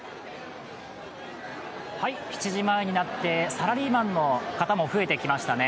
７時前になってサラリーマンの方も増えてきましたね。